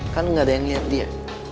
kan gak ada yang lihat dia